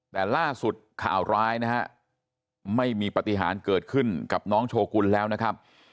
แต่ล่าสุดข่าวร้ายนะฮะไม่มีปฏิหารเกิดขึ้นกับน้องโชกุลแล้วนะครับ